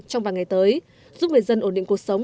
trong vài ngày tới giúp người dân ổn định cuộc sống